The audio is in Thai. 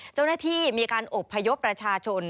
เจ้าหน้าที่มีการอบพยพประชาชน